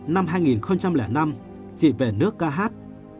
năm hai nghìn năm chị về nước ca hát